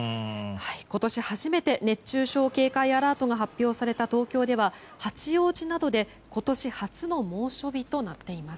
今年初めて熱中症警戒アラートが発表された東京では八王子などで今年初の猛暑日となっています。